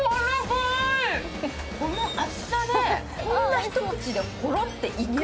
この厚さでこんな一口でほろっていく？